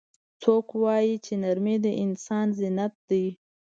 څوک وایي چې نرمۍ د انسان زینت ده